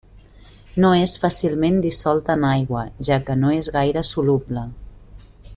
No és fàcilment dissolt en aigua, ja que no és gaire soluble.